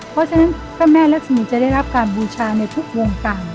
เพราะฉะนั้นพระแม่รักษมีจะได้รับการบูชาในทุกวงการ